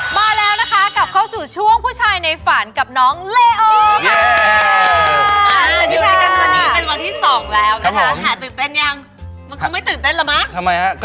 มาแล้วนะคะกลับเข้าสู่ช่วงผู้ชายในฝันกับน้องเลโอค่ะ